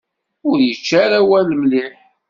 Ur yečči ara awal mliḥ.